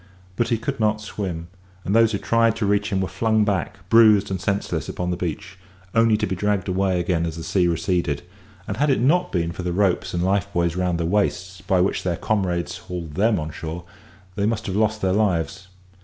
But he could not swim; and those who tried to reach him were flung back, bruised and senseless, upon the beach, only to be dragged away again as the sea receded; and had it not been for the ropes and life buoys round their waists, by which their comrades hauled them on shore, they must have lost their lives.